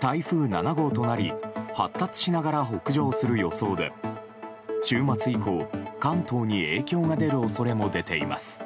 台風７号となり発達しながら北上する予想で週末以降関東に影響が出る恐れも出ています。